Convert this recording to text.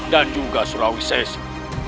dan juga surawisesa